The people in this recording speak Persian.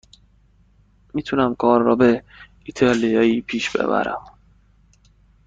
می تونم کارم را به ایتالیایی پیش ببرم.